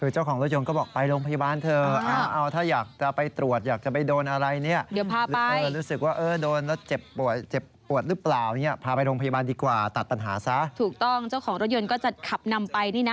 เช่าของรถยนต์ก็จะขับนำไป